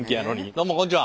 どうもこんにちは。